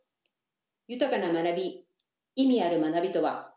「豊かな学び」「意味ある学び」とは？